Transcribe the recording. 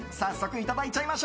いただきます。